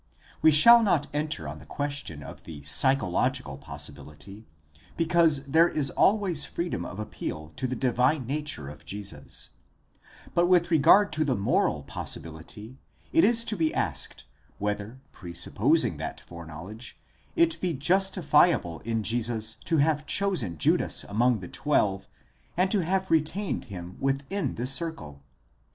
We shall not enter on the question of the psychological possibility, because there is always freedom of appeal to the divine nature of Jesus; but with regard to the moral possibility it is to be asked, whether presupposing that foreknowledge, it be justifiable in Jesus to have chosen Judas among the twelve, and to have retained him within this circle?